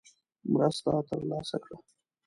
مرسته ترلاسه کړه.